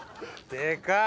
でかい！